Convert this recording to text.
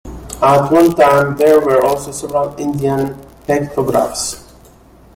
At one time there were also several Indian pictographs.